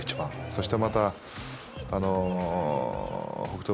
そしてまた北勝